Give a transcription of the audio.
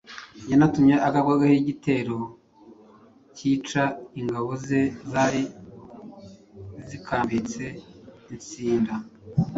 yanatumye agabwaho igitero kikica ingabo ze zari zikambitse i Nsinda.